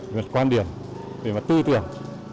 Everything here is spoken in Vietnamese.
một quan điểm để mà tư tưởng